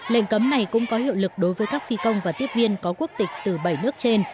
lệnh cấm này cũng có hiệu lực đối với các phi công và tiếp viên có quốc tịch từ bảy nước trên